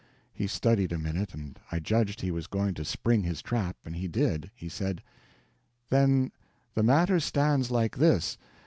He studied a minute, and I judged he was going to spring his trap, and he did. He said: "Then the matter stands like this.